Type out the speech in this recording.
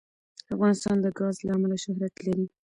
افغانستان د ګاز له امله شهرت لري.